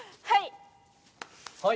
はい！